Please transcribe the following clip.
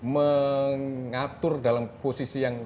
mengatur dalam posisi yang